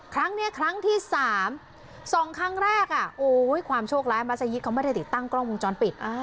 ครั้งนี้ครั้งที่๓๒ครั้งแรกความโชคร้ายมัศยิตเขาไม่ได้ติดตั้งกล้องวงจรปิด